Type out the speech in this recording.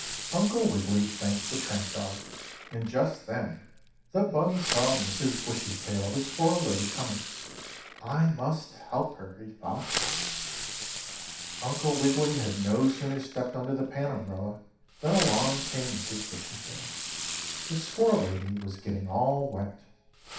Uncle Wiggily thanked the tramp dog, and just then, the bunny saw Mrs. Bushytail, the squirrel lady coming. "I must help her," he thought. 7. Uncle Wiggily had no sooner stepped under the pan umbrella than along came Mrs. Bushytail. The squirrel lady was getting all wet.